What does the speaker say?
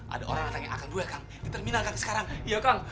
ada orang yang menangkap akang dulu di terminal sekarang